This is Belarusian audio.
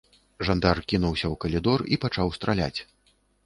Жандар кінуўся ў калідор і пачаў страляць.